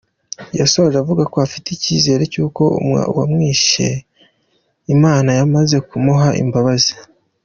Yasoje avuga ko afite icyizere cy’uko uwamwishe Imana yamaze kumuha imbabazi.